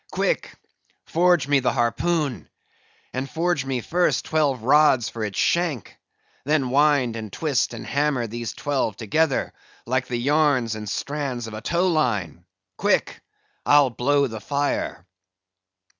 Quick! forge me the harpoon. And forge me first, twelve rods for its shank; then wind, and twist, and hammer these twelve together like the yarns and strands of a tow line. Quick! I'll blow the fire."